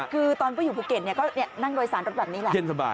คือตอนไปอยู่ภูเก็ตก็นั่งโดยสารรถแบบนี้แหละ